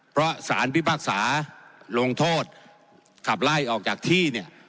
เพราะสารพิพากษาลงโทษขับไล่ออกจากที่เนี่ย